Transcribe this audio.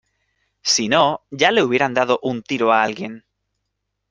si no, ya le hubieran dado un tiro a alguien.